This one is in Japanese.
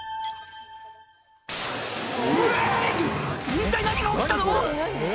一体何が起きたの？